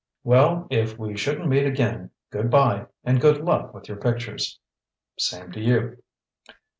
"Well, if we shouldn't meet again, good bye and good luck with your pictures." "Same to you."